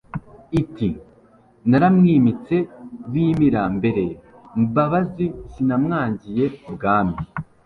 Iti: naramwimitse Bimira-mbere Mbabazi sinamwangiye ubwami.